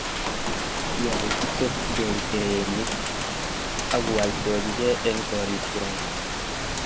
kial kipsobchigei terenik akuaitochigei eng'korikwak